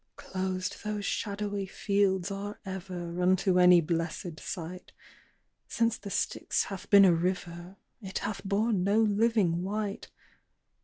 "Closed those shadowy fields are ever Unto any blessèd sight. Since the Styx hath been a river, It hath borne no living wight.